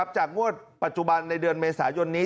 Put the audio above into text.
จากงวดปัจจุบันในเดือนเมษายนนี้